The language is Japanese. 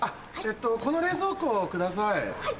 この冷蔵庫を下さい。